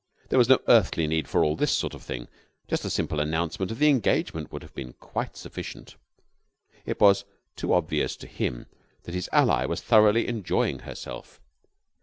There was no earthly need for all this sort of thing. Just a simple announcement of the engagement would have been quite sufficient. It was too obvious to him that his ally was thoroughly enjoying herself.